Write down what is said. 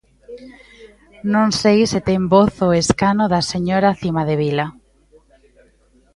Non sei se ten voz o escano da señora Cimadevila.